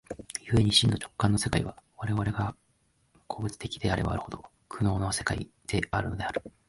故に真の直観の世界は、我々が個物的であればあるほど、苦悩の世界であるのである。